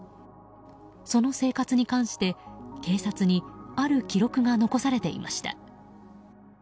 その生活に関して、警察にある記録が残されていました。